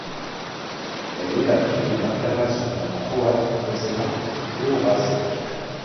Elle est la fille de l'internationale croate Vesna Horacek.